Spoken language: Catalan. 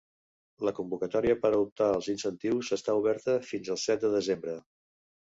La convocatòria per a optar als incentius està oberta fins al set de desembre.